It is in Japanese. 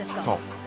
そう。